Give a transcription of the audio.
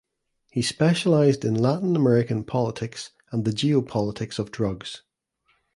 He specialized in Latin American politics and the geopolitics of drugs.